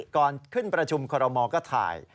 ก่อนขึ้นประชุมคอรมอลก็ถ่าย